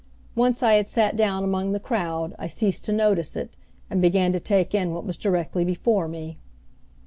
Once I had sat down among the crowd I ceased to notice it, and began to take in what was directly before me.